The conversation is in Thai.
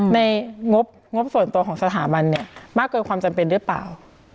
งบส่วนตัวของสถาบันเนี่ยมากเกินความจำเป็นหรือเปล่า